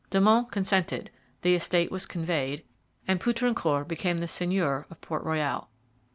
De Monts consented; the estate was conveyed; and Poutrincourt became the seigneur of Port Royal.